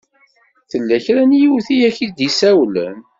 Tella kra n yiwet i ak-d-isawlen.